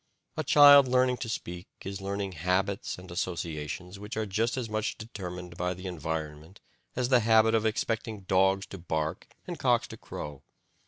A child learning to speak is learning habits and associations which are just as much determined by the environment as the habit of expecting dogs to bark and cocks to crow.